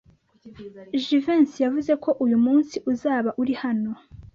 Jivency yavuze ko uyu munsi uzaba uri hano.